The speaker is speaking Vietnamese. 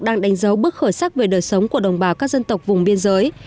đang đánh dấu bước khởi sắc về đời sống của đồng bào các dân tộc vùng biên giới